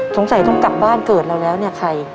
สงสัยต้องกลับบ้านเกิดเราแล้วเนี่ยใคร